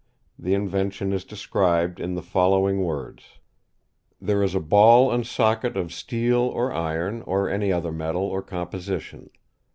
The invention is described in the following words : "There is a ball and socket of steel or iron, or any other metal or composition.